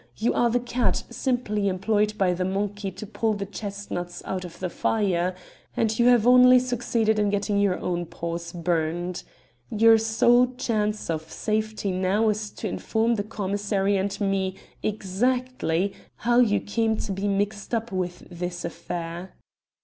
You are the cat, simply employed by the monkey to pull the chestnuts out of the fire, and you have only succeeded in getting your own paws burnt. Your sole chance of safety now is to inform the commissary and me exactly how you came to be mixed up with this affair."